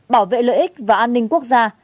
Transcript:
bảo vệ lợi ích và an ninh quốc gia